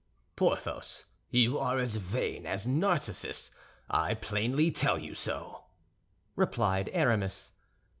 "Porthos, you are as vain as Narcissus; I plainly tell you so," replied Aramis.